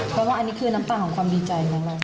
เพราะว่าอันนี้คือน้ำตาของความดีใจของเรา